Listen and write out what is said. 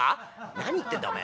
「何言ってんだおめえ。